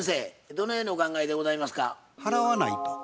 どのようにお考えでございますか？